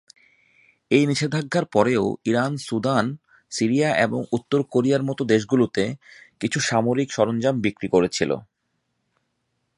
এই নিষেধাজ্ঞার পরেও ইরান সুদান, সিরিয়া এবং উত্তর কোরিয়ার মতো দেশগুলোতে কিছু সামরিক সরঞ্জাম বিক্রি করেছিল।